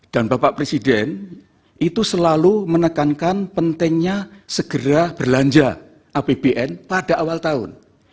dan bapak presiden itu selalu menekankan pentingnya segera berlanja apbn pada awal tahun